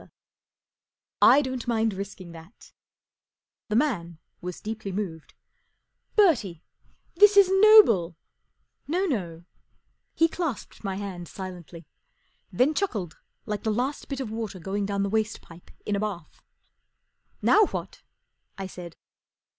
r< I don't mind risking that/' The man was deeply moved, fi Bertie, this is noble/' " No, no/ J He clasped my hand silently, then chuckled like the last bit of water going down the waste pipe in a bath. " Now what ?" I said.